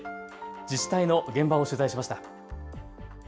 自治体の現場を取材しました。